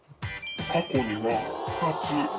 過去には。